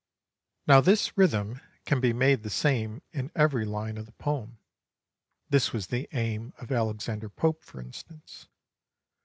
Now this rhythm can be made the same in every line of the poem. This was the aim of Alexander Pope, for instance.